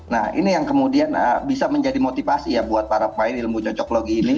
nah ini yang kemudian bisa menjadi motivasi ya buat para pemain ilmu cocok lagi ini